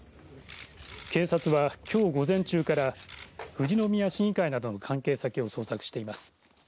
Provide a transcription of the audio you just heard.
警察はきょう午前中から富士宮市議会などの関係先を捜索しています。